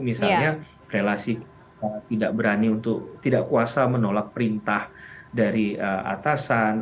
misalnya relasi tidak berani untuk tidak kuasa menolak perintah dari atasan